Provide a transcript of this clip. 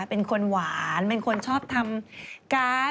เป็นคนหวานเป็นคนชอบทำการ์ด